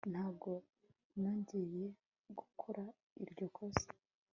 ntabwo nongeye gukora iryo kosa